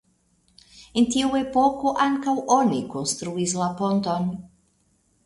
En tiu epoko ankaŭ oni konstruis la ponton.